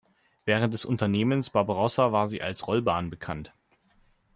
Während des Unternehmens Barbarossa war sie als Rollbahn bekannt.